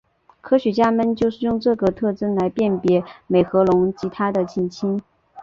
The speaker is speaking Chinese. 科学家们就是用这个特征来辨别美颌龙及它的近亲。